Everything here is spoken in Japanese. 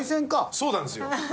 そうなんですよ。